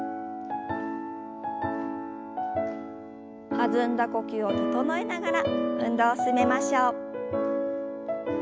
弾んだ呼吸を整えながら運動を進めましょう。